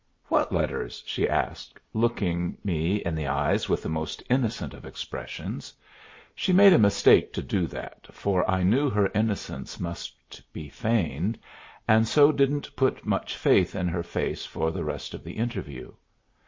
"What letters?" she asked, looking me in the eyes with the most innocent of expressions. She made a mistake to do that, for I knew her innocence must be feigned, and so didn't put much faith in her face for the rest of the interview.